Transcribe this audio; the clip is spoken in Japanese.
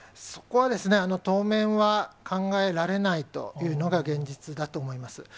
そこはですね、当面は考えられないというのが現実だと思います。